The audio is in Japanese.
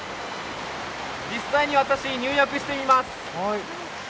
実際に私、入浴してみます。